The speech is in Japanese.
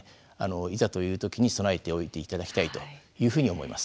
いざという時に備えておいていただきたいというふうに思います。